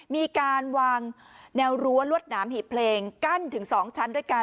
มีการวางแนวรั้วลวดหนามหีบเพลงกั้นถึง๒ชั้นด้วยกัน